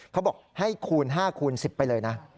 เขาบอกให้คูณ๕คูณ๑๐ไปเลยนะ